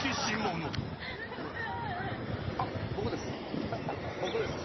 あっ僕です。